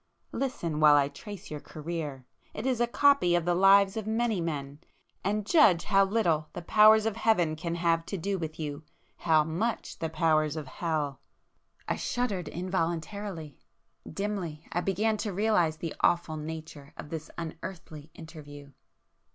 Listen, while I trace your career!—it is a copy of the lives of many men;—and judge how little the powers of Heaven can have to do with you!—how much the powers of Hell!" I shuddered involuntarily;—dimly I began to realize the awful nature of this unearthly interview.